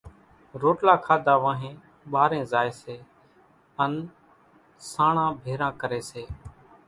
روٽلا کاڌا وانھين ٻارين زائي سي ان سانڻان ڀيران ڪري سي،